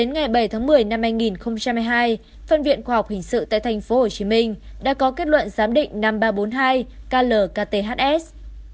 ngày một mươi năm hai nghìn một mươi hai phân viện khoa học hình sự tại tp hcm đã có kết luận giám định năm nghìn ba trăm bốn mươi hai klkths